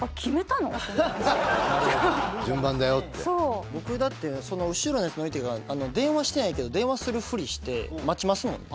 はいはい順番だよってそう僕だってその後ろのやつ乗りたいから電話してないけど電話するふりして待ちますもんね